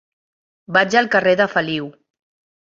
Vaig al carrer de Feliu.